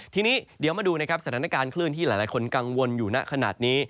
ทีนี้เดี๋ยวมาดูนะครับสถานการณ์คลื่นที่หลายคนกังวลอยู่ณขนาดนี้